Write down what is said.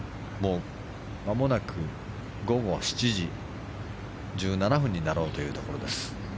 まもなく午後７時１７分になろうというところです。